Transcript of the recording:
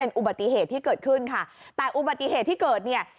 อุบัติเหตุที่เกิดขึ้นค่ะแต่อุบัติเหตุที่เกิดเนี่ย